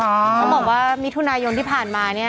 เขาบอกว่ามีถุนายนที่ผ่านมา